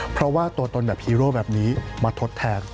เพราะว่าตัวตนแบบฮีโร่แบบนี้มาทดแทน